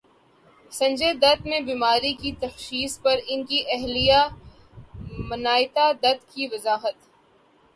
سنجے دت میں بیماری کی تشخیص پر ان کی اہلیہ منائتا دت کی وضاحت